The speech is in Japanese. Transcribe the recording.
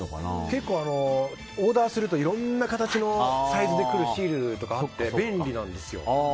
結構オーダーするといろんな形のサイズで来るシールとかあって便利なんですよ。